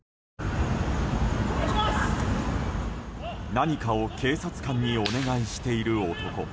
何かを警察官にお願いしている男。